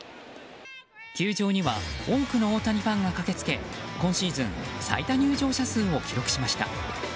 球場には多くの大谷ファンが駆けつけ今シーズン最多入場者数を記録しました。